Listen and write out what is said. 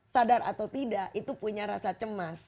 sadar atau tidak itu punya rasa cemas